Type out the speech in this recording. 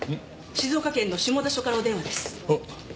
静岡県の下田署からお電話です。